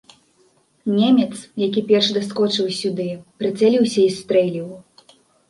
Немец, які першы даскочыў сюды, прыцэліўся і стрэліў.